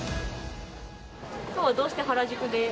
きょうはどうして原宿で？